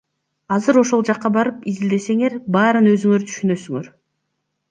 Азыр ошол жакка барып изилдесеңер, баарын өзүңөр түшүнөсүңөр.